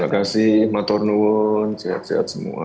terima kasih maturnuun sehat sehat semua